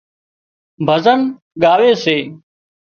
ڀزن ڳاوي سي